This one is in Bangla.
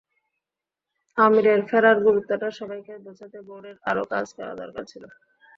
আমিরের ফেরার গুরুত্বটা সবাইকে বোঝাতে বোর্ডের আরও কাজ করা দরকার ছিল।